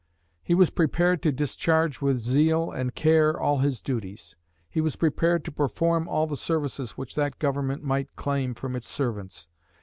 He was prepared to discharge with zeal and care all his duties. He was prepared to perform all the services which that Government might claim from its servants.